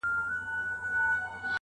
خو لنډ عُمر یې